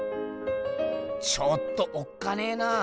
ちょっとおっかねえなあ。